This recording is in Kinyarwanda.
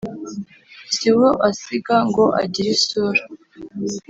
si uwo asiga ngo agire isura